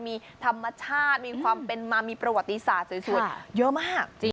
มีธรรมชาติมีความเป็นมามีประวัติศาสตร์สวยเยอะมาก